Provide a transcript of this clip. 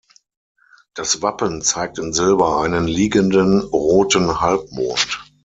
Das Wappen zeigt in Silber einen liegenden roten Halbmond.